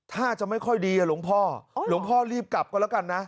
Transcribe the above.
ถ้าจะไม่ค่อยดีหลวงพ่อหลวงพ่อรีบกลับก็แล้วกันนะ